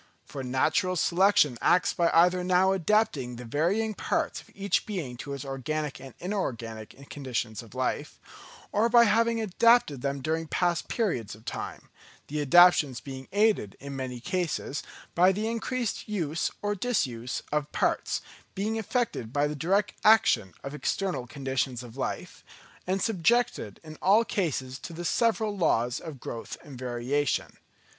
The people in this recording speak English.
For natural selection acts by either now adapting the varying parts of each being to its organic and inorganic conditions of life; or by having adapted them during past periods of time: the adaptations being aided in many cases by the increased use or disuse of parts, being affected by the direct action of external conditions of life, and subjected in all cases to the several laws of growth and variation.